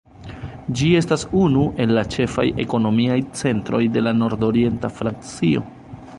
Ĝi estas unu el la ĉefaj ekonomiaj centroj de la nordorienta Francio.